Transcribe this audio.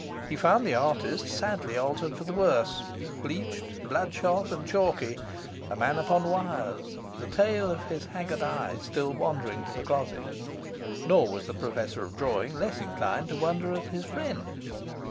He found the artist sadly altered for the worse bleached, bloodshot, and chalky a man upon wires, the tail of his haggard eye still wandering to the closet. Nor was the professor of drawing less inclined to wonder at his friend.